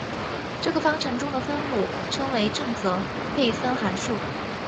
这个方程中的分母称为正则配分函数。